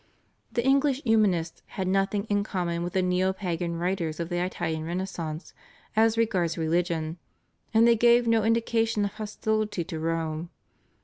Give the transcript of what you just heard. The English Humanists had nothing in common with the neo pagan writers of the Italian Renaissance as regards religion, and they gave no indication of hostility to Rome.